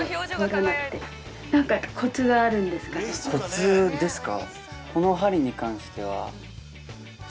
コツですか。